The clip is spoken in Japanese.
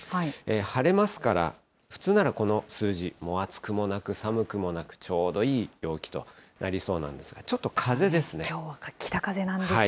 晴れますから、普通ならこの数字、暑くもなく寒くもなく、ちょうどいい陽気となりそうなんですが、きょう、北風なんですよね。